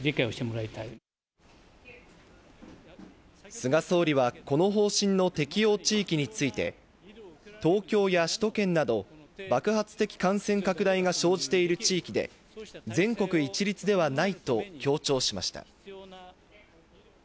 菅総理はこの方針の適用地域について、東京や首都圏など、爆発的感染拡大が生じている地域で、全国一律ではないと強調しました。